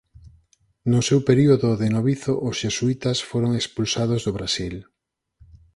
No seu período de novizo os xesuítas foron expulsados do Brasil.